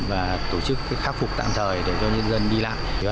và tổ chức khắc phục tạm thời để cho nhân dân đi lại